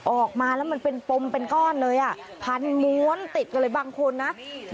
ออกมาแล้วมันเป็นปมเป็นก้อนเลยอ่ะพันม้วนติดกันเลยบางคนนะ